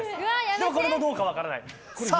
でもこれはどうか分からない。